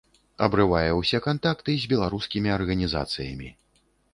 Абрывае ўсе кантакты з беларускімі арганізацыямі.